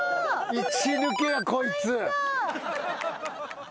１抜けやこいつ。